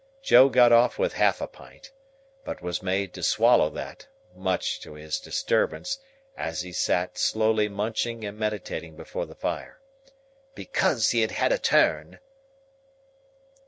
Joe got off with half a pint; but was made to swallow that (much to his disturbance, as he sat slowly munching and meditating before the fire), "because he had had a turn."